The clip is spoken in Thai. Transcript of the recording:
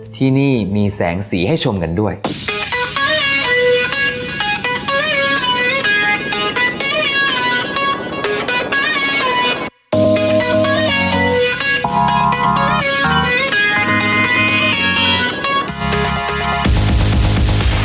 ที่นี่มีแสงสีให้ชมกันด้วย